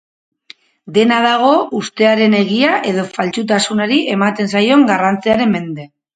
Dena dago ustearen egia edo faltsutasunari ematen zaion garrantziaren mende.